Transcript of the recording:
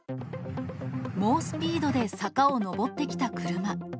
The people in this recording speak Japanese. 猛スピードで坂を上ってきた車。